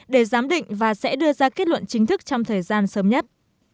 để giám định và sẽ đưa ra kết luận chính thức trong thời gian sớm nhất